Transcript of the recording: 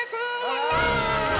やった！